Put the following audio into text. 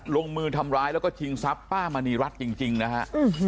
ลงมือทำร้ายแล้วก็ชิงทรัพย์ป้ามณีรัฐจริงนะฮะ